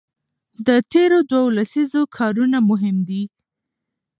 د تېرو دوو لسیزو کارونه مهم دي.